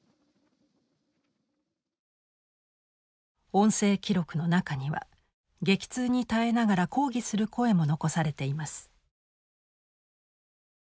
音声記録の中には激痛に耐えながら抗議する声も残されています。